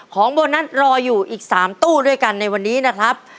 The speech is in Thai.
โบนัสรออยู่อีก๓ตู้ด้วยกันในวันนี้นะครับ